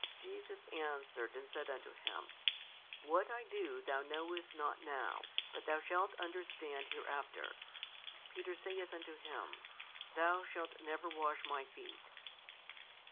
Jesus answered and said unto him, What I do thou knowest not now, but thou shalt understand hereafter. Peter saith unto Him, Thou shalt never wash my feet.